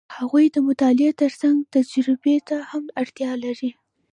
هغوی د مطالعې ترڅنګ تجربې ته هم اړتیا لري.